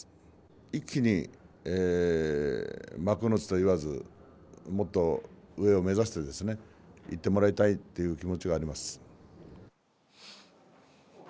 一気に幕内と言わずもっと上を目指していってもらいたいという気持ちはあります。